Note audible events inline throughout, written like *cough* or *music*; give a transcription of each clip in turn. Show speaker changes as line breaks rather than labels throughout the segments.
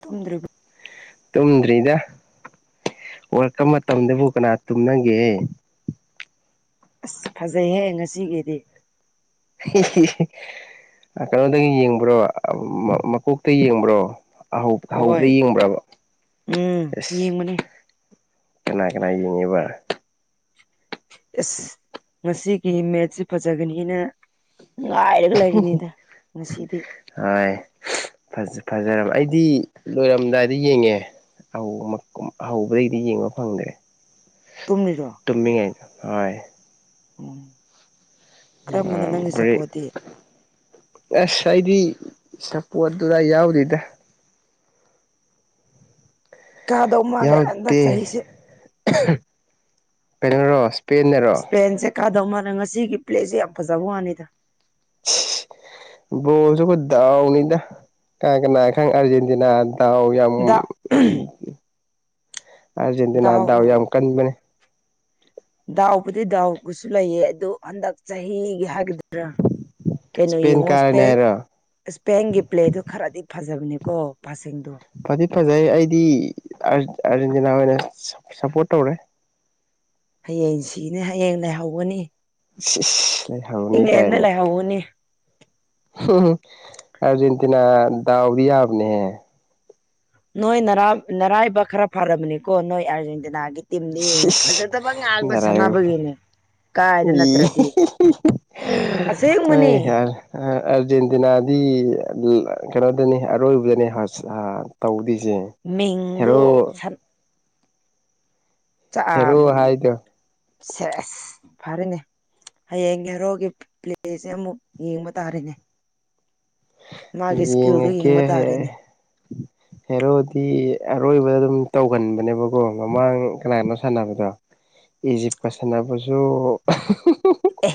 ꯇꯨꯝꯗ꯭ꯔꯤꯕ
ꯇꯨꯝꯗ꯭ꯔꯤꯗꯥ world cup ꯃꯇꯝꯗꯥꯕꯨ ꯀꯅꯥ ꯇꯨꯝꯅꯒꯦ
ꯑꯁ ꯐꯖꯩꯍꯦ ꯉꯁꯤꯒꯤꯗꯤ
ꯀꯩꯅꯣꯗꯒꯤ ꯌꯦꯡꯕ꯭ꯔꯣ ꯃꯀꯣꯛꯇꯩ ꯌꯦꯡꯕ꯭ꯔꯣ ꯍꯧꯕ
ꯍꯣꯏ
ꯍꯧꯕꯗꯩ ꯌꯦꯡꯕ꯭ꯔꯥꯕ
ꯎꯝ
ꯑꯁ
ꯌꯦꯡꯕꯅꯦ
ꯀꯅꯥ ꯀꯅꯥ ꯌꯦꯡꯉꯤꯕ
ꯑꯁ ꯉꯁꯤꯒꯤ ꯃꯦꯠꯁꯇꯤ ꯐꯖꯥꯒꯅꯤꯅ ꯉꯥꯏꯔꯒ ꯂꯩꯔꯤꯅꯤꯗ ꯉꯥꯁꯤꯗꯤ
ꯍꯣꯏ ꯐꯖ ꯐꯖꯔꯕ ꯑꯩꯗꯤ ꯂꯣꯏꯔꯝꯗꯥꯏꯗꯥ ꯌꯦꯡꯉꯦ ꯍꯧꯕꯥ ꯃꯛ ꯍꯧꯕꯥꯗꯩꯗꯤ ꯌꯦꯡꯕ ꯐꯪꯗ꯭ꯔꯦ
ꯇꯨꯝꯔꯤꯔꯣ
ꯇꯨꯝꯃꯤꯌꯦ ꯍꯣꯏ
ꯎꯝ
ꯑ
ꯀꯔꯝꯕꯅꯣ ꯅꯪꯒꯤ
ꯕꯔꯦꯛ
ꯁꯞꯄꯣꯔꯠꯇꯤ
*unintelligible* ꯑꯁ ꯑꯩꯗꯤ ꯁꯞꯄꯣꯔꯠꯇꯨꯗꯥ ꯌꯥꯎꯗꯦꯗꯥ
ꯀꯥꯗꯧ ꯃꯥꯜꯂꯦ ꯍꯟꯗꯛ
ꯌꯥꯎꯗꯦ
ꯆꯍꯤꯁꯦ
ꯀꯩꯅꯣꯔꯣ ꯏꯁꯄꯦꯟꯅꯔꯣ
ꯁꯄꯦꯟꯁꯦ ꯀꯥꯗꯧ ꯃꯥꯜꯂꯦ ꯉꯁꯤꯒꯤ ꯄ꯭ꯂꯦꯁꯦ ꯌꯥꯝ ꯐꯖꯕ ꯋꯥꯅꯤꯗ
*unintelligible* ꯕꯣꯜꯁꯨ ꯗꯥꯎꯅꯤꯗ ꯀꯅꯥ ꯀꯅꯥ ꯈꯪ ꯑꯥꯔꯖꯦꯟꯇꯤꯅꯥ ꯗꯥꯎ ꯌꯥꯝ
ꯗꯥꯎ
ꯑꯥꯔꯖꯦꯟꯇꯤꯅꯥ ꯗꯥꯎ ꯌꯥꯝ ꯀꯟꯕꯥꯅꯦ
ꯗꯥꯎꯕꯨꯗꯤ ꯗꯥꯎꯕꯨꯁꯨ ꯂꯩꯌꯦ ꯑꯗꯨ ꯍꯟꯗꯛ ꯆꯍꯤꯒꯤ ꯍꯥꯏꯒꯗ꯭ꯔꯥ ꯀꯩꯅꯣ
ꯏꯁꯄꯦꯟ
ꯌꯦꯡꯉꯣ
ꯀꯥꯔꯅꯤ
ꯁꯄꯦꯟ
ꯍꯥꯏꯔꯣ
ꯁꯄꯦꯟꯒꯤ ꯄ꯭ꯂꯦꯗꯣ ꯈꯔꯗꯤ ꯐꯖꯥꯕꯅꯦꯀꯣ ꯄꯥꯁꯤꯡꯗꯣ
ꯐꯗꯤ ꯐꯥꯖꯩ ꯑꯩꯗꯤ ꯑꯥꯔꯖꯦꯟꯇꯤꯅꯥ ꯑꯣꯏꯅ ꯁꯞꯄꯣꯔꯠ ꯇꯧꯔꯦ
ꯍꯥꯌꯦꯡ ꯁꯤꯅꯤ ꯍꯥꯌꯦꯡ ꯂꯩꯍꯧꯒꯥꯅꯤ
ꯂꯩꯍꯧꯅꯤ ꯀꯥꯏꯅ
ꯂꯩꯍꯧꯒꯅꯤ
ꯑꯥꯔꯖꯦꯟꯇꯤꯅꯥ ꯗꯥꯎꯗꯤ ꯌꯥꯕꯅꯦꯍꯦ
ꯅꯣꯏ ꯅꯔꯥꯕ ꯅꯔꯥꯏꯕꯛ ꯈꯔ ꯐꯔꯥꯕꯅꯤꯀꯣ ꯅꯣꯏ ꯑꯥꯔꯖꯦꯟꯇꯤꯅꯥꯒꯤ ꯇꯤꯝꯗꯣ ꯌꯦꯡꯉꯣ
ꯁꯤꯁ
ꯐꯖꯗꯥꯕ ꯉꯥꯛꯇ ꯁꯥꯟꯅꯕꯒꯤꯅꯦ ꯀꯥꯏꯗ ꯅꯠꯇ꯭ꯔꯗꯤ
ꯍ ꯍꯔ
ꯑꯁꯦꯡꯕꯅꯦ
*unintelligible* ꯑꯥꯔꯖꯦꯟꯇꯤꯅꯥꯗꯤ ꯀꯩꯅꯣꯗꯅꯦ ꯑꯔꯣꯏꯕꯗꯥꯅꯦ ꯇꯧꯗꯣꯏꯁꯦ
ꯃꯤꯡꯗꯨ
ꯍꯦꯔꯣ
ꯁꯟ ꯑ
ꯍꯦꯔꯣ ꯍꯥꯏꯗꯣ
ꯁꯦꯁ ꯐꯔꯦꯅꯦ ꯍꯥꯌꯦꯡ ꯍꯦꯔꯣꯒꯤ ꯄ꯭ꯂꯦꯁꯦ ꯑꯃꯨꯛ ꯌꯦꯡꯕꯥ ꯇꯥꯔꯦꯅꯦ ꯃꯥꯒꯤ ꯏꯁꯀꯤꯜꯗꯣ
ꯌꯦꯡꯉꯛꯀꯦ
ꯌꯦꯡꯕ
ꯍꯦ
ꯇꯥꯔꯦꯅꯦ
ꯍꯦꯔꯣꯗꯤ ꯑꯔꯣꯏꯕꯗ ꯑꯗꯨꯝ ꯇꯧꯒꯟꯕꯥꯅꯦꯕꯀꯣ ꯃꯃꯥꯡ ꯀꯅꯥꯅꯣ ꯁꯥꯟꯅꯕꯗꯣ ꯏꯖꯤꯞꯀꯥ ꯁꯥꯟꯅꯕꯁꯨ
ꯑꯦ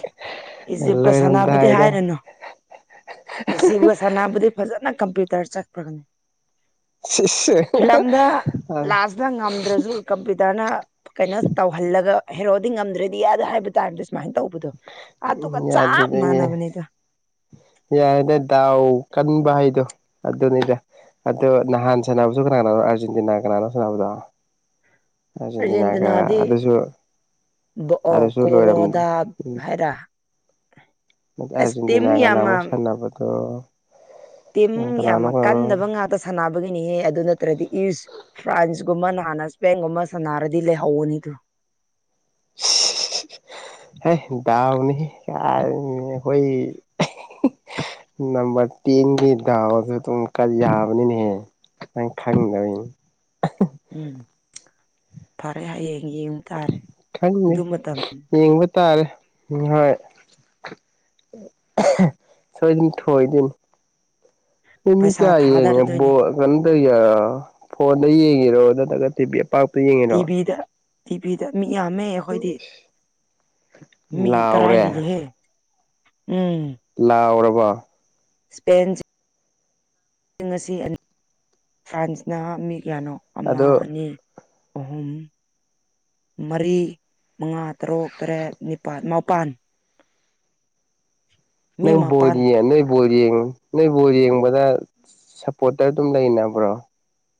ꯏꯖꯤꯞꯀꯥ ꯁꯥꯟꯅꯕꯗꯤ
ꯂꯣꯏꯔꯝꯗꯥꯏꯗ
ꯍꯥꯏꯔꯅꯨ ꯏꯖꯤꯞꯀꯥ ꯁꯅꯥꯕꯗꯤ ꯐꯖꯥꯅ ꯀꯝꯄ꯭ꯌꯨꯇꯔ ꯆꯠꯈ꯭ꯔꯕꯅꯦ
ꯁꯤꯁ
ꯐꯤꯂꯝꯗ ꯂꯥꯁꯇ ꯉꯝꯗ꯭ꯔꯁꯨ ꯀꯝꯄ꯭ꯌꯨꯇꯔꯅ ꯀꯩꯅꯣ ꯇꯧꯍꯜꯂꯒ ꯍꯦꯔꯣꯗꯤ ꯉꯝꯗ꯭ꯔꯥꯗꯤ ꯌꯥꯗꯦ ꯍꯥꯏꯕ ꯇꯥꯏꯞꯇꯥ ꯁꯨꯃꯥꯏꯅ ꯇꯧꯕ ꯗꯣ ꯑꯗꯨꯒ ꯆꯞ ꯃꯥꯟꯅꯕꯅꯦꯗ
ꯌꯥꯏꯗ ꯗꯥꯎ ꯀꯟꯕ ꯍꯥꯏꯗꯣ ꯑꯗꯨꯅꯤꯗ ꯑꯗꯨ ꯅꯍꯥꯟ ꯁꯥꯟꯅꯕꯥꯁꯨ ꯀꯅꯥꯅꯣꯕꯥ ꯑꯥꯔꯖꯦꯟꯇꯤꯅꯥꯒ ꯀꯅꯥꯅꯣ ꯁꯥꯟꯅꯕꯥꯗꯣ ꯑꯥꯔꯖꯦꯟꯇꯤꯅꯥꯒ ꯑꯗꯨꯁꯨ
ꯑꯣ
ꯑꯗꯨꯁꯨ ꯂꯣꯏꯔꯝ
ꯀꯣꯔꯣꯗꯥꯥ ꯍꯦꯔ
ꯑꯔꯖꯦꯟꯇꯤꯅꯥꯒꯅ
ꯌꯥꯝꯅ
ꯑꯃꯨꯁꯥꯟꯅꯕꯗꯨꯣ
ꯇꯤꯝ ꯌꯥꯝꯅ ꯀꯟꯗꯕ ꯉꯥꯛꯇ ꯁꯥꯟꯅꯕꯒꯤꯅꯤꯍꯦ ꯑꯗꯨ ꯅꯠꯇ꯭ꯔꯗꯤ ꯏꯨꯁ ꯐ꯭ꯔꯥꯟꯁꯀꯨꯝꯕ ꯅꯥꯟꯅ ꯏꯁꯄꯦꯟꯒꯨꯝꯕ ꯁꯥꯟꯅꯔꯗꯤ ꯂꯩꯍꯧꯕꯅꯤꯗ
*inaudible* ꯍꯦ ꯗꯎꯅꯤ ꯀ ꯍꯣꯏ ꯅꯝꯕꯔ ꯇꯦꯟꯒꯤ ꯗꯥꯎꯁꯦ ꯑꯗꯨꯝ ꯈ꯭ꯔꯥ ꯌꯥꯕꯅꯤꯅꯥꯍꯦ ꯅꯣꯏ ꯈꯪꯗꯥꯕꯩꯅꯦ
ꯎꯝ ꯐꯥꯔꯦ ꯍꯌꯦꯡ ꯌꯦꯡꯕꯥ ꯇꯥꯔꯦ
ꯈꯪꯗꯦ
ꯑꯗꯨ ꯃꯇꯝ
ꯌꯦꯡꯕꯥ ꯇꯥꯔꯦ ꯍꯣꯏ ꯁꯣꯏꯗꯥꯅ ꯊꯣꯏꯗꯣꯏꯅꯦ ꯑꯩꯈꯣꯏ ꯃꯤ
ꯄꯩꯁꯥ
ꯀꯌꯥ ꯌꯦꯡꯉꯦ
ꯊꯥꯗꯔꯗꯣꯏꯅꯦ
ꯕꯣꯜ ꯀꯇ ꯐꯣꯟꯗ ꯌꯦꯡꯉꯤꯔꯣ ꯅꯠꯇ꯭ꯔꯒ ꯇꯤꯚꯤ ꯑꯄꯥꯛ
ꯇꯤꯕꯤꯤꯗ ꯇꯤꯚꯤꯗ ꯃꯤ ꯌꯥꯝꯃꯦ ꯑꯩꯈꯣꯏꯗꯤ ꯃꯤ ꯇꯔꯥ
ꯂꯥꯎꯔꯦ
ꯍꯦꯜꯜꯂꯤꯍꯦ ꯎꯝ
ꯂꯥꯎꯔꯕ
ꯁꯄꯦꯦꯟ ꯉꯁꯤ ꯑꯅꯤ ꯐ꯭ꯔꯥꯟꯁꯅ ꯃꯤ ꯀꯌꯥꯅꯣ ꯑꯃ
ꯑꯗꯣ
ꯑꯅꯤ ꯑꯍꯨꯝ ꯃꯔꯤ ꯃꯉꯥ ꯇꯔꯨꯛ ꯇꯔꯦꯠ ꯅꯤꯄꯥꯜ ꯃꯥꯄꯜ ꯃꯤ
ꯅꯪ
ꯃꯄꯥꯟ
ꯕꯣꯜꯒꯤ *unintelligible* ꯕꯣꯜ ꯌꯦꯡ ꯅꯣꯏ ꯕꯣꯜ ꯌꯦꯡꯕꯗ ꯁꯞꯄꯣꯔꯠꯇ ꯑꯗꯨꯝ ꯂꯩꯅꯕ꯭ꯔꯣ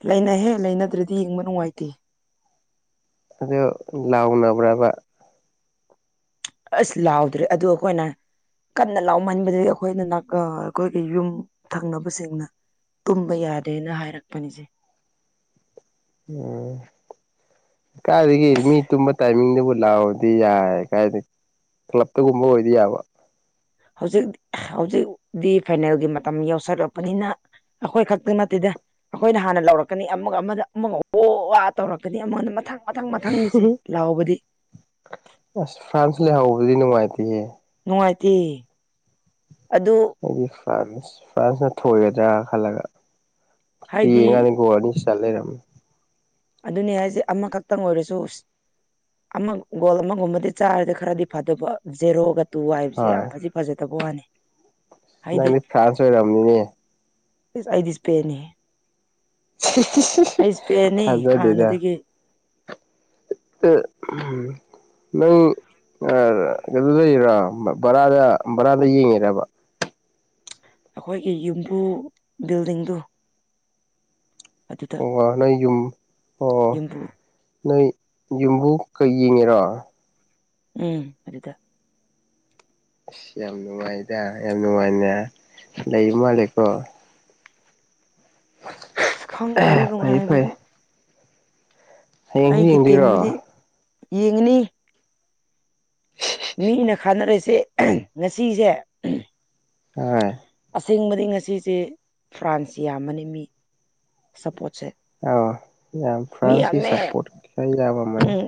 ꯂꯩꯅꯩꯍꯦ ꯂꯩꯅꯗ꯭ꯔꯗꯤ ꯌꯦꯡꯕ ꯅꯨꯡꯉꯥꯏꯇꯦ
ꯑꯗꯣ ꯂꯥꯎꯅꯕ꯭ꯔꯕ
ꯑꯁ ꯂꯥꯎꯗ꯭ꯔꯦ ꯑꯗꯨ ꯑꯩꯈꯣꯏꯅ ꯀꯟꯅ ꯂꯥꯎꯃꯟꯕꯗꯒꯤ ꯑꯩꯈꯣꯏꯅ ꯑꯩꯈꯣꯏꯒꯤ ꯌꯨꯝ ꯊꯪꯅꯕꯁꯤꯡꯅ ꯇꯨꯝꯕ ꯌꯥꯗꯦꯅ ꯍꯥꯏꯔꯛꯄꯅꯤꯁꯦ
ꯎꯝ ꯀꯥꯏꯔꯤꯒꯤ ꯃꯤ
ꯑꯁ
ꯇꯨꯝꯕ ꯇꯥꯏꯃꯤꯡꯗꯨꯕꯨ ꯂꯥꯛꯑꯣꯗꯤ ꯌꯥꯏ ꯀꯥꯏꯅ ꯀ꯭ꯂꯞꯇꯒꯨꯝꯕ ꯑꯣꯏꯗꯤ ꯌꯥꯕ
ꯍꯧꯖꯤꯛ ꯍꯧꯖꯤꯛꯇꯤ ꯐꯥꯏꯅꯦꯜꯒꯤ ꯃꯇꯝ ꯌꯧꯁꯜꯂꯛꯄꯅꯤꯅ ꯑꯩꯈꯣꯏ ꯈꯛꯇ ꯅꯠꯇꯦꯗ ꯑꯩꯈꯣꯏꯅ ꯍꯥꯟꯅ ꯂꯧꯔꯛꯀꯅꯤ ꯑꯃꯒ ꯑꯃꯗ ꯑꯃꯒ ꯋꯣ ꯋꯥ ꯇꯧꯔꯛꯀꯅꯤ ꯑꯃꯅ ꯃꯊꯪ ꯃꯊꯪ ꯃꯊꯪ ꯅꯤꯁꯦ ꯂꯥꯎꯕꯗꯤ
ꯑꯁ ꯐ꯭ꯔꯥꯟꯁ ꯂꯩꯍꯧꯕꯗꯨꯗꯤ ꯅꯨꯡꯉꯥꯏꯇꯦ
ꯅꯨꯡꯉꯥꯏꯇꯦ ꯑꯗꯨ
ꯑꯩꯗꯤ ꯐ꯭ꯔꯥꯟꯁ ꯐ꯭ꯔꯥꯟꯁꯅ ꯊꯣꯏꯒꯗ꯭ꯔꯥ ꯈꯜꯂꯒ
ꯍꯥꯏꯗꯤ
ꯌꯦꯡꯉꯀꯥꯟꯗ ꯒꯣꯜ ꯑꯅꯤ *unintelligible*
ꯑꯗꯨꯅꯦ ꯍꯥꯏꯖꯦ ꯑꯃꯈꯛꯇꯪ ꯑꯣꯏꯔꯁꯨ ꯑꯃ ꯒꯣꯜ ꯑꯃꯒꯨꯝꯕꯗꯤ ꯆꯥꯔꯗꯤ ꯈꯔꯗꯤ ꯐꯗꯧꯕ ꯖꯦꯔꯣꯒ ꯇꯨ ꯍꯥꯏꯕꯁꯦ ꯌꯥꯝ
ꯍꯣꯏ
ꯐꯗꯤ ꯐꯖꯗꯕ ꯋꯥꯅꯤ ꯍꯥꯏꯗꯤ
ꯃꯅꯤ ꯐ꯭ꯔꯥꯟꯁ ꯑꯣꯏꯔꯝꯅꯤꯅꯦ
ꯏꯁ ꯑꯩꯗꯤ ꯁꯏꯄꯦꯟꯅꯤꯍꯦ ꯏꯁꯄꯦꯟꯅꯤ
ꯊꯥꯖꯗꯦꯗ
ꯍꯥꯟꯅꯗꯒꯤ
*unintelligible* ꯑꯗꯨꯗꯔ ꯕꯔꯥꯗ ꯕꯔꯥꯗ ꯌꯦꯡꯉꯤꯔꯕ
ꯑꯩꯈꯣꯏꯒꯤ ꯌꯨꯝꯕꯨ ꯕꯤꯜꯗꯤꯡꯗꯨ ꯑꯗꯨ
ꯑꯣ ꯅꯣꯏ ꯌꯨꯝ ꯑꯣ ꯅꯣꯏ ꯌꯨꯝꯕꯨ ꯀꯩ ꯌꯦꯡꯉꯤꯔꯣ
ꯎꯝ ꯑꯥꯗꯨꯗ
ꯑꯁ ꯌꯥꯝ ꯅꯨꯡꯉꯥꯏꯗ ꯌꯥꯝ ꯅꯨꯡꯉꯥꯏꯅ ꯂꯩꯕ ꯃꯥꯜꯂꯤꯀꯣ
ꯑꯁ ꯈꯪꯗꯦꯗ
ꯑꯍꯝ ꯐꯩꯏ ꯐꯩꯏ
ꯅꯨꯡꯉꯥꯏꯕꯗꯣ ꯑꯩꯒꯤ
ꯌꯦꯡꯗꯣꯏꯔꯣ
ꯇꯤꯝꯗꯤ ꯌꯦꯡꯒꯅꯤ ꯃꯤꯅ ꯈꯥꯟꯅꯔꯤꯁꯦ ꯉꯥꯁꯤꯁꯦ
ꯍꯣꯏ
ꯑꯁꯦꯡꯕꯗꯤ ꯉꯁꯤꯁꯦ ꯐ꯭ꯔꯥꯟꯁ ꯌꯥꯝꯕꯅꯤ ꯃꯤ ꯁꯄꯣꯠꯁꯦ
ꯑꯧ ꯌꯥꯝ ꯐ꯭ꯔꯥꯟꯁꯀꯤ ꯁꯄꯣꯔꯠꯀꯤ ꯈꯔ ꯌꯥꯝꯃꯝꯕꯅꯦ
ꯎꯝ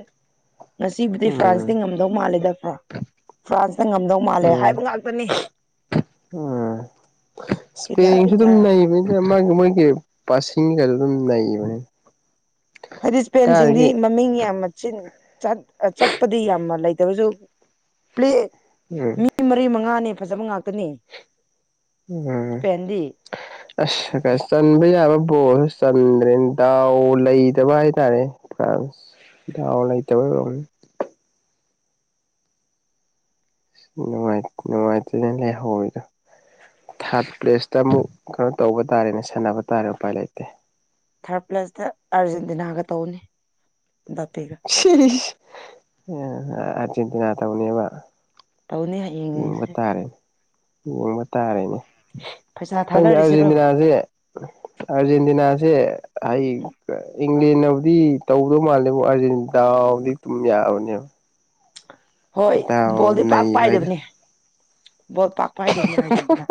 ꯉꯁꯤꯕꯨꯗꯤ
ꯎꯝ
ꯐ꯭ꯔꯥꯟꯁꯇꯤ ꯉꯝꯗꯧ ꯃꯥꯜꯂꯤꯗꯀꯣ ꯐ꯭ꯔꯥꯟꯁꯅ ꯉꯝꯗꯧ ꯃꯥꯜꯂꯦ
ꯎꯝ
ꯍꯥꯏꯕ ꯉꯥꯛꯇꯅꯤ
ꯎꯝ
ꯏꯊ
ꯏꯁꯄꯦꯟꯁꯨ
ꯏꯊ
ꯑꯗꯨꯝ ꯅꯩꯕꯅꯤ ꯃꯥꯒꯤ ꯃꯣꯏꯒꯤ ꯄꯥꯁꯤꯅꯤꯒꯁꯨ ꯑꯗꯨꯝ ꯅꯩꯕꯅꯤ
ꯍꯥꯏꯗꯤ ꯏꯁꯄꯦꯟꯁꯤꯡꯗꯤ
ꯀꯥꯏꯗꯒꯤ
ꯃꯃꯤꯡ ꯌꯥꯝ ꯃꯆꯤꯟ ꯆꯠꯄꯗꯤ ꯌꯥꯝꯅ ꯂꯩꯇ꯭ꯔꯁꯨ ꯄ꯭ꯂꯦ
ꯎꯝ
ꯃꯤ ꯃꯔꯤ ꯃꯉꯥꯅꯦ ꯐꯖꯕ ꯉꯥꯛꯇꯅꯦ
ꯎꯝ ꯑꯁ ꯆꯟꯕ ꯌꯥꯕ ꯕꯣꯜꯁꯨ ꯆꯟꯗ꯭ꯔꯦ ꯗꯥꯎ ꯂꯩꯇꯕ ꯍꯥꯏꯇꯥꯔꯦꯅꯦ ꯐ꯭ꯔꯥꯟꯁ ꯗꯥꯎ ꯂꯩꯇꯕꯩ ꯑꯣꯏꯔꯝꯅꯤ ꯅꯨꯡꯉꯥꯏꯇꯔꯤꯅꯦ ꯂꯩꯍꯧꯔꯤꯗꯣ ꯊꯥꯔꯠ ꯄ꯭ꯂꯦꯁꯇ ꯑꯃꯨꯛ ꯀꯩꯅꯣ ꯇꯧꯕ ꯇꯥꯔꯦꯅꯦ ꯁꯥꯟꯅꯕ ꯇꯥꯔꯦ ꯎꯄꯥꯏ ꯂꯩꯇꯦ
ꯊꯥꯔꯠ ꯄ꯭ꯂꯦꯁꯇ ꯑꯥꯔꯖꯦꯟꯇꯤꯅꯥꯒ ꯇꯧꯅꯤ ꯕꯄꯤꯒ
ꯁꯤꯌ ꯑꯔꯖꯦꯟꯇꯤꯅꯥ ꯇꯧꯅꯦꯕ
ꯇꯧꯅꯦ ꯍꯥꯏ
ꯌꯦꯡꯕ ꯇꯥꯔꯦ ꯌꯦꯡꯕ ꯇꯥꯔꯦꯅꯦ
ꯄꯩꯁꯥ
ꯈꯪꯗꯦ
ꯊꯥꯗꯔꯤꯁꯤꯔꯣ
ꯑꯥꯔꯖꯦꯟꯇꯤꯅꯥꯁꯦ ꯎꯝ *unintelligible* ꯑꯥꯔꯖꯦꯟꯇꯤꯅꯥꯁꯦ ꯑꯩ ꯏꯪꯂꯦꯟꯕꯨꯗꯤ ꯇꯧꯗꯧ ꯃꯥꯜꯂꯦꯕꯨ ꯑꯗꯨ ꯑꯥꯔꯖꯦꯟꯇꯤꯅꯥ ꯗꯥꯎꯗꯤ ꯑꯗꯨꯝ ꯌꯥꯕꯅꯦꯕ
ꯍꯣꯏ
ꯗꯥꯎ
ꯕꯣꯜꯗꯤ ꯄꯥꯛ
ꯅꯩꯕ ꯍꯥꯏꯗꯣ
ꯄꯥꯏꯗꯕꯅꯦ ꯕꯣꯜ ꯄꯥꯛ ꯄꯥꯏꯗꯕꯅꯦ ꯑꯥꯔꯖꯦꯟꯇꯤꯅꯥ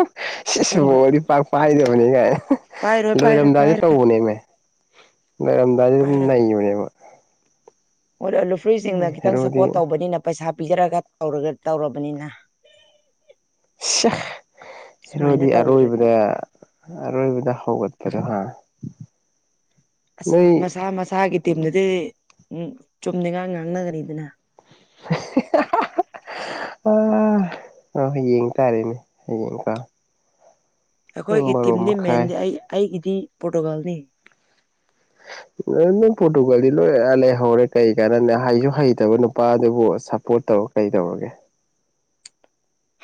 ꯁꯤꯁ
ꯑꯁꯦꯡꯕ
ꯕꯣꯜꯗꯤ ꯄꯥꯛ ꯄꯥꯏꯗꯕꯅꯤ ꯒꯥꯏ
ꯄꯥꯏꯔꯣꯏ ꯄꯥꯏꯔꯣꯏ
ꯂꯣꯏꯔꯝꯗꯥꯏꯗ
ꯄꯥꯏꯔꯣꯏ
ꯇꯧꯕꯅꯦꯃꯦ ꯂꯣꯏꯔꯝꯗꯥꯏꯗ ꯑꯗꯨꯝ ꯅꯩꯕꯅꯦ
ꯑꯣꯏꯔꯣꯏ ꯂꯨꯐ꯭ꯔꯤꯁꯤꯡꯅ ꯈꯤꯇꯪ
ꯍꯦꯔꯣꯗꯤ
ꯁꯞꯄꯣꯔꯠ ꯇꯧꯕꯅꯤꯅ ꯄꯩꯁꯥ ꯄꯤꯖꯔꯒ ꯇꯧꯔꯒ ꯇꯧꯔꯕꯅꯤꯅ
ꯁꯤꯌꯥ
ꯁꯨꯃꯥꯏꯅ
ꯍꯦꯔꯣꯗꯤ
ꯇꯧꯗ꯭ꯔꯗꯤ
ꯑꯔꯣꯏꯕꯗ ꯑꯔꯣꯏꯕꯗ ꯍꯒꯠꯄꯗꯣ ꯍꯥ
ꯑꯁ
ꯅꯣꯏ
ꯃꯁꯥ ꯃꯁꯥꯒꯤ ꯇꯤꯝꯗꯨꯗꯤ ꯎꯟ ꯆꯨꯝꯅ ꯏꯉꯥꯡ ꯉꯥꯡꯅꯒꯅꯤꯗꯅ
*unintelligible* ꯑ ꯥ ꯍꯣꯏ ꯌꯦꯡ ꯇꯥꯔꯦꯅꯦ ꯌꯦꯡꯒꯦꯀꯣ
ꯑꯩꯈꯣꯏꯒꯤ ꯇꯤꯝꯗꯤ
ꯃꯈꯥꯏ
ꯃꯦꯟꯗꯤ ꯑꯩ ꯑꯩꯒꯤꯗꯤ ꯄꯣꯔꯇꯨꯒꯥꯜꯅꯤ
ꯅꯪ ꯄꯣꯔꯇꯨꯒꯜꯗꯤ ꯂꯣꯏꯅ ꯂꯩꯍꯧꯔꯦ ꯀꯩ ꯀꯥꯟꯅꯅꯦ ꯍꯩꯁꯨ ꯍꯩꯇꯕ ꯅꯨꯄꯥꯗꯨꯕꯨ ꯁꯞꯄꯣꯔꯠ ꯇꯧꯔꯒ ꯀꯩ ꯇꯧꯔꯒꯦ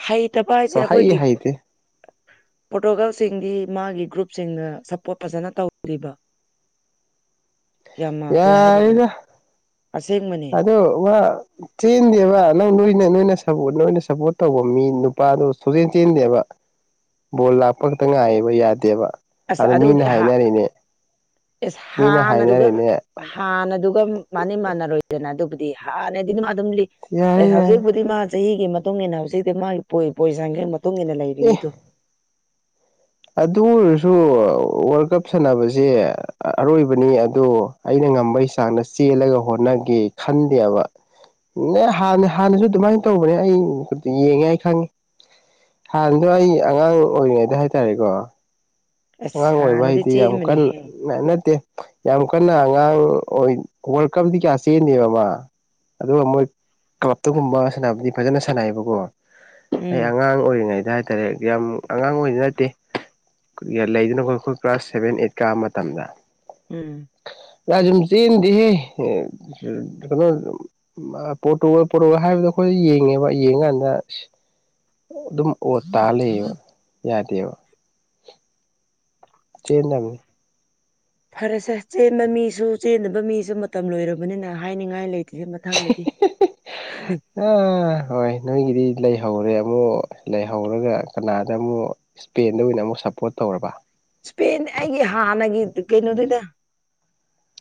ꯍꯩꯇꯥꯕ ꯍꯥꯏꯁꯦ
ꯁꯨꯍꯩ
ꯑꯩꯈꯣꯏꯒꯤ
ꯍꯩꯇꯦ
ꯄꯣꯔꯇꯨꯒꯥꯜꯁꯤꯡꯒꯨ ꯃꯥꯒꯤ ꯒ꯭ꯔꯞꯁꯤꯡꯅ ꯁꯞꯄꯣꯔꯠ ꯐꯖꯅ ꯇꯧꯗꯔꯤꯕ
*unintelligible*
ꯌꯥꯝꯃ ꯀꯩ ꯍꯥꯏꯗꯣꯏꯔꯥ
ꯌꯥꯔꯦꯗ
ꯑꯁꯦꯡꯕꯅꯦ
ꯑꯗꯨ ꯋꯥ ꯆꯦꯟꯗꯦꯕ ꯅꯪ ꯅꯣꯏꯅ ꯅꯣꯏꯅ ꯅꯣꯏꯅ ꯁꯞꯄꯣꯔꯠ ꯇꯧꯕ ꯃꯤ ꯅꯨꯄꯥꯗꯣ ꯁꯨꯛꯆꯦꯟ ꯆꯦꯟꯗꯦꯕ ꯕꯣꯜ ꯂꯥꯛꯄ ꯈꯛꯇ ꯉꯥꯏꯌꯦꯕ ꯌꯥꯗꯦꯕ
ꯑꯁ
ꯑꯗ
ꯑꯗꯨꯗꯤ
ꯃꯤꯅ ꯍꯥꯏꯅꯔꯤꯅꯤ
ꯑꯦꯁ ꯍꯥꯟꯅꯗꯨꯒ ꯍꯥꯟꯅꯗꯨꯒ ꯃꯥꯟꯗꯤ ꯃꯥꯟꯅꯔꯣꯏꯗꯅ ꯑꯗꯨꯕꯨꯗꯤ ꯍꯥꯟꯅꯗꯤ ꯑꯗꯨꯝ ꯑꯗꯨꯝ ꯂꯤꯠ
ꯌꯥꯔꯦ ꯌꯥꯔꯦ
ꯍꯧꯖꯤꯛꯄꯨꯗꯤ ꯃꯥ ꯆꯍꯤꯒꯤ ꯃꯇꯨꯡ ꯏꯟꯅ ꯍꯧꯖꯤꯛꯇꯤ ꯃꯥꯒꯤ ꯄꯣꯏꯁꯥꯡꯁꯤꯒꯤ ꯃꯇꯨꯡ ꯏꯟꯅ
ꯑꯦ
ꯂꯩꯔꯤꯅꯤꯗꯣ
ꯑꯗꯨ ꯑꯣꯏꯔꯁꯨ ꯋꯥꯔꯜ ꯀꯞ ꯁꯥꯟꯅꯕꯁꯦ ꯑꯔꯣꯏꯕꯅꯤ ꯑꯗꯣ ꯑꯩꯅ ꯉꯝꯕꯩ ꯆꯥꯡꯗ ꯆꯦꯜꯂꯒ ꯍꯣꯠꯅꯒꯦ ꯈꯟꯗꯦꯕ ꯅ ꯍꯥꯟꯅ ꯍꯥꯟꯅꯁꯨ ꯑꯗꯨꯃꯥꯏꯅ ꯇꯧꯕꯅꯦ ꯑꯩ ꯌꯦꯡꯉꯦ ꯑꯩ ꯈꯪꯉꯤ ꯍꯥꯟꯅꯗꯣ ꯑꯩ ꯑꯉꯥꯡ ꯑꯣꯏꯔꯤꯉꯩꯗ ꯍꯥꯏꯇꯥꯔꯦꯀꯣ
ꯑꯁ
ꯑꯉꯥꯡ ꯑꯣꯏꯕ
ꯍꯥꯟꯅꯗꯤ
ꯍꯥꯏꯗꯤ ꯌꯥꯝ
ꯆꯦꯟꯕꯅꯤꯍꯦ
ꯀꯟꯅ ꯅꯠꯇꯦ ꯌꯥꯝ ꯀꯟꯅ ꯑꯉꯥꯡ ꯋꯥꯔꯜ ꯀꯞꯇ ꯀꯌꯥ ꯆꯦꯟꯗꯦꯕꯃ ꯑꯗꯨꯒ ꯃꯣꯏ ꯀ꯭ꯂꯞꯇꯒꯨꯝꯕ ꯁꯥꯟꯅꯕꯗꯤ ꯐꯖꯅ ꯁꯥꯟꯅꯩꯑꯕꯀꯣ ꯑꯩ
ꯎꯝ
ꯑꯉꯥꯡ ꯑꯣꯏꯔꯤꯉꯩꯗ ꯍꯥꯏꯇꯥꯔꯦ ꯌꯥꯝ ꯑꯉꯥꯡ ꯑꯣꯏꯗꯤ ꯅꯠꯇꯦ ꯂꯩꯗꯅ ꯑꯩꯈꯣꯏ ꯑꯩꯈꯣꯏ ꯀ꯭ꯂꯥꯁ ꯁꯚꯦꯟ ꯑꯩꯠ ꯀꯥꯕ ꯃꯇꯝꯗ
ꯎꯝ
ꯔꯖꯖꯤꯤꯟꯗꯤꯍꯦꯩꯅꯣ *inaudible* ꯃꯥ ꯄꯣꯔꯇꯣꯒꯜ ꯄꯣꯔꯇꯨꯒꯜ ꯍꯥꯏꯕꯗꯣ ꯑꯩꯈꯣꯏ ꯌꯦꯡꯉꯦꯕ ꯌꯦꯟꯀꯥꯟꯗ ꯑꯗꯨꯝ ꯑꯣꯠ ꯇꯥ ꯂꯩꯌꯦꯕ ꯌꯥꯗꯦꯕ ꯆꯦꯟꯗꯕꯅꯦ
ꯐꯔꯦꯁꯦ ꯆꯦꯟꯕ ꯃꯤꯁꯨ ꯆꯦꯟꯗꯕ ꯃꯤꯁꯨ ꯃꯇꯝ ꯂꯣꯏꯔꯕꯅꯤꯅ ꯍꯥꯏꯅꯤꯡꯉꯥꯏ ꯂꯩ ꯃꯊꯪꯗꯗꯤ
ꯑꯥ ꯍꯣꯏ ꯅꯣꯏꯒꯤꯗꯤ ꯂꯩꯍꯧꯔꯦ ꯑꯃꯨꯛ ꯂꯩꯍꯧꯔꯒ ꯀꯅꯥꯗ ꯑꯃꯨꯛ ꯏꯁꯄꯦꯟꯗ ꯑꯣꯏꯅ ꯑꯃꯨꯛ ꯁꯞꯄꯣꯔꯠ ꯇꯧꯔꯕ
ꯏꯁꯄꯦꯟ ꯑꯩꯒꯤ ꯍꯥꯟꯅꯒꯤ ꯀꯩꯅꯣꯗꯨꯗ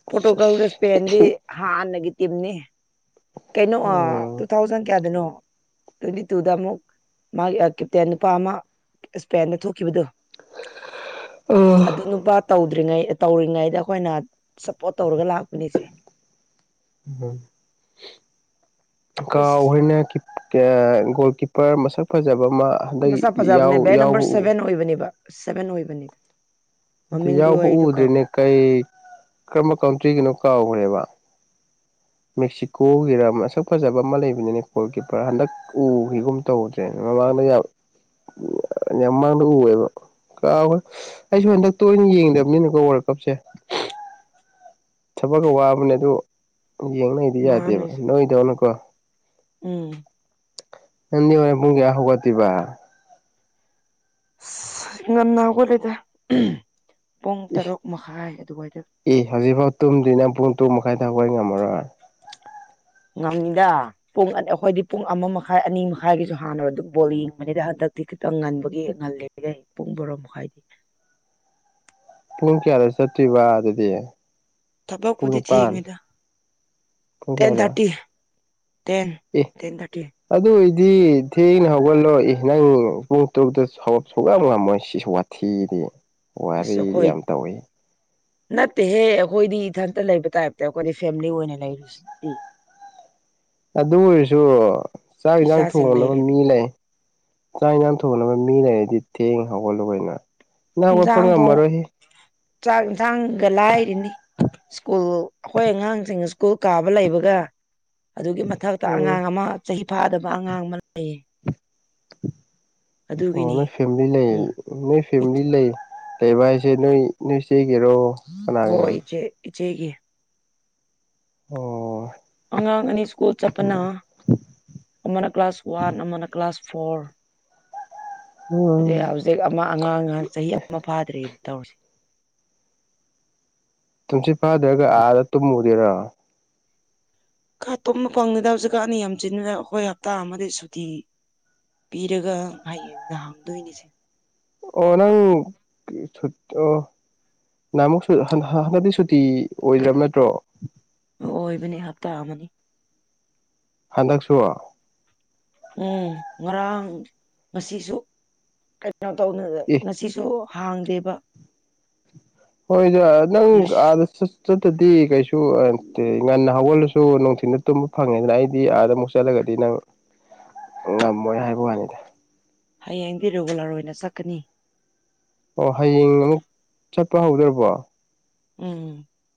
ꯄꯣꯔꯇꯨꯒꯜꯗ ꯏꯁꯄꯦꯟꯗꯤ ꯍꯥꯟꯅꯒꯤ ꯇꯤꯝꯅꯤ ꯀꯩꯅꯣ
ꯎꯝ
ꯇꯨ ꯊꯥꯎꯖꯟ ꯀꯌꯥꯗꯅꯣ ꯇ꯭ꯋꯦꯟꯇꯤ ꯇꯨꯗ ꯑꯃꯨꯛ ꯃꯥꯒꯤ ꯀꯦꯞꯇꯦꯟ ꯅꯨꯄꯥ ꯑꯃ ꯏꯁꯄꯦꯟꯗ ꯊꯣꯛꯈꯤꯕꯗꯨꯣ
ꯑ
ꯑꯗꯨ ꯅꯨꯄꯥ ꯇꯧꯗ꯭ꯔꯤꯉꯩ ꯇꯧꯔꯤꯉꯩꯗ ꯑꯩꯈꯣꯏꯅ ꯁꯞꯄꯣꯔꯠ ꯇꯧꯔꯒ ꯂꯥꯛꯄꯅꯤꯁꯦ
ꯀ
ꯑꯁ
ꯑꯣꯏꯍꯅꯦ ꯒꯣꯜ ꯀꯤꯞꯄꯔ ꯃꯁꯛ ꯐꯖꯕ ꯑꯃ ꯍꯟꯗꯛ
ꯁꯥ ꯐꯖꯕꯅꯦ ꯕ ꯅꯝꯕꯔ
ꯌꯥꯎꯕ
ꯁꯚꯦꯟ ꯑꯣꯏꯕꯅꯦꯕ ꯁꯚꯦꯟ ꯑꯣꯏꯕꯅꯤꯗ
ꯑꯗꯨꯗꯤ
ꯃꯃꯤꯡꯗꯨ
ꯌꯥꯎꯕ
ꯑꯩꯗꯨ
ꯎꯗ꯭ꯔꯤꯅꯦ
ꯀꯥꯎꯈ꯭ꯔꯦ
ꯀꯩ ꯀꯔꯝꯕ ꯀꯥꯎꯟꯇ꯭ꯔꯤꯒꯤꯅꯣ ꯀꯥꯎꯈ꯭ꯔꯦꯕ ꯃꯦꯛꯁꯤꯀꯣꯒꯤꯔꯝ ꯃꯁꯛ ꯐꯖꯕ ꯑꯃ ꯂꯩꯕꯅꯤꯅ ꯒꯣꯜ ꯀꯤꯞꯄꯔ ꯍꯟꯗꯛ ꯎꯈꯤꯒꯨꯝ ꯇꯧꯗ꯭ꯔꯦ ꯃꯃꯥꯡꯗ ꯌꯥꯝ ꯌꯥꯝ ꯃꯃꯥꯡꯗ ꯎꯌꯦꯦꯕ ꯍꯣꯏ ꯑꯩꯁꯨ ꯍꯟꯗꯛꯇ ꯑꯣꯏꯅ ꯌꯦꯡꯗꯕꯅꯤꯅꯀꯣ ꯋꯥꯔꯜ ꯀꯞꯁꯦ ꯊꯕꯛꯀ ꯋꯥꯕꯅꯦ ꯑꯗꯨ ꯌꯦꯡꯅꯩꯗꯤ ꯌꯥꯗꯦꯕ
ꯃꯥꯅꯦ
ꯅꯣꯏꯗꯧꯅꯀꯣ
ꯎꯝ
ꯄꯨꯡꯒꯤ ꯌꯥ ꯍꯒ ꯇꯤꯕ
ꯑꯁ ꯉꯟꯅ ꯍꯧꯒꯠꯂꯗ ꯄꯨꯡ
ꯑꯦ
ꯇꯔꯨꯛ ꯃꯈꯥꯏ ꯑꯗꯨꯋꯥꯏꯗ
ꯑꯦ ꯍꯧꯖꯤꯛꯐꯥꯎ ꯇꯨꯝꯗ꯭ꯅꯪ ꯄꯨꯡ ꯇꯨꯡ ꯃꯈꯥꯏ ꯊꯄꯒꯤ ꯉꯝꯃꯔꯣꯏ
ꯉꯝꯗꯥ ꯄꯨꯡ ꯑ ꯑꯩꯈꯣꯏꯗꯤ ꯄꯨꯡ ꯑꯃ ꯃꯈꯥꯏ ꯑꯅꯤ ꯃꯈꯥꯏꯒꯤꯁꯨ ꯍꯥꯟꯅꯔ ꯑꯗꯨꯝ ꯕꯣꯜ ꯌꯦꯡꯕꯅꯤꯗꯤ ꯍꯟꯗꯛꯇꯤ ꯈꯤꯇꯪ ꯉꯟꯕꯒꯤ ꯉꯜꯂꯤꯦꯔꯦ ꯄꯨꯡ ꯕꯣꯔꯣꯝ ꯃꯈꯥꯏꯗꯤ
ꯄꯨꯡ ꯀꯌꯥꯗ ꯆꯠꯇ꯭ꯣꯏꯔꯤꯕ ꯑꯗꯨꯗꯤ ꯄꯨꯡ
ꯊꯕꯛꯄꯨꯗꯤ
ꯅꯤꯄꯥꯟ
ꯊꯦꯡꯉꯤꯗ
ꯄꯨꯡ
ꯇꯦꯟ
ꯀꯌꯥꯗ
ꯊꯥꯔꯇꯤ ꯇꯦꯟ
ꯑꯦ
ꯇꯦꯟ ꯊꯔꯇꯤ
ꯑꯗꯨ ꯑꯣꯏꯏꯗꯤ ꯊꯦꯡꯅ ꯍꯧꯒꯠꯂꯣ ꯏ ꯅꯪ ꯄꯨꯡ ꯇꯨꯗ ꯁꯧꯒ ꯉꯝꯃꯣꯏ ꯁꯤꯁꯨ ꯋꯥꯠꯂꯤꯦ ꯈꯦꯔ
ꯏꯁꯈꯣꯏ ꯅꯠꯇꯦꯍꯦ ꯑꯩꯈꯣꯏꯗꯤ ꯏꯊꯟꯇ ꯂꯩꯕ ꯇꯥꯏꯞꯇ ꯑꯩꯈꯣꯏꯗꯤ ꯐꯦꯃꯤꯂꯤ ꯑꯣꯏꯅ ꯂꯩꯔꯤꯨꯁꯤꯗꯤ
ꯑꯗꯨ ꯑꯣꯏꯔꯁꯨ ꯆꯥꯛ ꯏꯟꯁꯥꯡ
ꯏꯆꯥꯁꯤꯡ
ꯊꯣꯡꯅꯕ
ꯂꯩꯔꯤꯗꯤ
ꯃꯤ ꯂꯩ ꯆꯥꯛ ꯌꯦꯟꯖꯥꯡ ꯊꯣꯡꯅꯕ ꯃꯤ ꯂꯩꯔꯗꯤ ꯊꯦꯡ ꯍꯧꯒꯠꯂꯨꯩꯅ
ꯏꯟꯁꯥꯡꯗꯣ ꯆꯥꯛ ꯌꯦꯟꯁꯥꯡꯒ ꯂꯥꯏꯔꯤꯅꯤ꯫ ꯁ꯭ꯀꯨꯜ ꯑꯩꯈꯣꯏ ꯑꯉꯥꯡꯁꯤꯡ ꯁ꯭ꯀꯨꯜ ꯀꯥꯕ ꯂꯩꯕꯒ ꯑꯗꯨꯒꯤ꯫ ꯃꯊꯛꯇ
ꯎꯝ
ꯑꯉꯥꯡ ꯑꯃ ꯆꯍꯤ ꯐꯥꯗꯕ ꯑꯉꯥꯡ ꯑꯃ ꯂꯩꯌꯦ꯫
ꯑꯣ
ꯑꯗꯨꯒꯤꯅꯤ
ꯅꫭꯏ ꯐꯦꯝꯂꯤ ꯂꯩꯌ‌ꯦ
ꯎꯝ
ꯅꫭꯎ ꯐꯦꯝꯂꯤ ꯂꯩ꯫ ꯂꯩꯕ ꯍꯥꯏꯁꯦ ꯅꯣꯏ ꯅꯣꯏ ꯆ‌ꯦꯒꯤꯔ‌ꫭ꯫
ꯍꯣꯏ ꯏꯆꯦ ꯏꯆꯦꯒꯤ꯫
ꯑꯣ꯫
ꯑꯉꯥꯡ ꯑꯅꯤ ꯁ꯭ꯀꯨꯜ ꯆꯠꯄꯅ ꯑꯃꯅ ꯀ꯭ꯂꯥꯁ ꯋꯥꯟ ꯑꯃꯅ ꯀ꯭ꯂꯥꯁ ꯐꯣꯔ꯫ ꯑꯗꯩ
ꯎꯝ
ꯍꯧꯖꯤꯛ ꯑꯃ ꯑꯉꯥꯡꯍ ꯆꯍꯤ ꯑꯃ ꯐꯥꯗ꯭ꯔꯤ ꯇꯧꯔꯤꯁꯤ꯫
ꯇꯨꯝꯁꯤ ꯐꯥꯗ꯭ꯔꯒ ꯑꯥꯗ ꯇꯨꯝꯃꯨꯗꯣꯏꯔꯣ
ꯀꯥ ꯇꯨꯝꯕ ꯐꯪꯅꯤꯦꯗ ꯍꯧꯖꯤꯛꯀꯥꯟꯅꯤ ꯌꯥꯝ ꯆꯤꯟꯟꯅꯗ ꯑꯩꯈꯣꯏ ꯍꯞꯇꯥ ꯑꯃꯗꯤ ꯁꯨꯇꯤ ꯄꯤꯔꯒ ꯍꯌꯦꯡꯗ ꯍꯪꯗꯣꯏꯅꯤꯁꯦ
ꯑꯣ ꯅꯪ ꯁ ꯑꯣ ꯅꯍꯥꯟ ꯑꯃꯨꯛ ꯍꯟꯗꯛꯇꯤ ꯁꯨꯇꯤ ꯑꯣꯏꯗ꯭ꯔꯕ ꯅꯠꯇ꯭ꯔꯣ
ꯑꯣꯏꯕꯅꯦ ꯍꯞꯇꯥ ꯑꯃꯅꯤ
ꯍꯟꯗꯛꯁꯨ
ꯎꯝ ꯉꯔꯥꯡ ꯉꯁꯤꯁꯨ ꯀꯩꯅꯣ ꯇꯧ ꯉꯁꯤꯁꯨ ꯍꯥꯡꯗꯦꯕ
ꯍꯣꯏꯗ ꯅꯪ ꯑꯥꯗ ꯆꯠ꯫ ꯆꯠꯇꯗꯤ ꯀꯩꯁꯨ ꯉꯟꯅ ꯍꯧꯒꯜꯂꯁꯨ ꯅꯨꯡꯊꯤꯟꯗ ꯇꯨꯝꯕ ꯐꯪꯉꯦꯗꯅ ꯑꯩꯗꯤ ꯑꯥꯗ ꯑꯃꯨꯛ ꯆꯠꯂꯒꯗꯤ ꯅꯪ꯫ ꯉꯝꯃꯣꯏ ꯍꯥꯏꯕ ꯋꯥꯅꯤꯗ꯫
ꯍꯌꯦꯡꯗꯤ ꯔꯤꯒꯨꯂꯔ ꯑꯣꯏꯅ ꯆꯠꯀꯅꯤ꯫
ꯑꯣ ꯍꯌꯦꯡ ꯑꯃꯨꯛ ꯆꯠꯄ ꯍꯧꯗ꯭ꯔꯕꯣ꯫
ꯎꯝ꯫